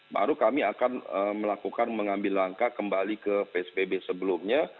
baru kami akan melakukan mengambil langkah kembali ke psbb sebelumnya